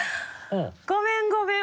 ごめんごめん。